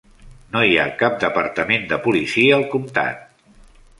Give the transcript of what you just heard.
No hi ha cap departament de policia al comtat.